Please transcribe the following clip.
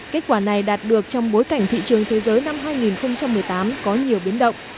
kết quả này đạt được trong bối cảnh thị trường thế giới năm hai nghìn một mươi tám có nhiều biến động